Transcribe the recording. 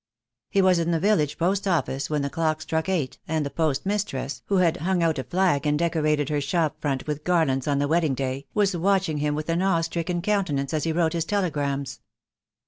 He was in the village post office when the clock struck eight, and the post mistress, who had hung out a flag and decorated her shop front with garlands on the wedding day, was watching him with an awe stricken countenance as he wrote his telegrams.